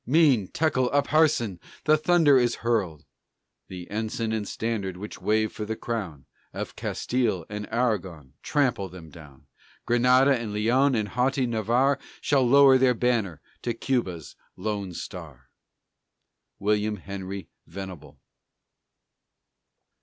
Mene, Tekel, Upharsin! the thunder is hurled! _The ensign and standard which wave for the Crown Of Castile and Aragon trample them down! Granada and Leon and haughty Navarre Shall lower their banner to Cuba's lone star!_ WILLIAM HENRY VENABLE.